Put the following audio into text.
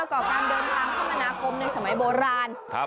ความเก่าแก่น่ะแล้วก็การเดินทางข้ามมคในสมัยโบราณ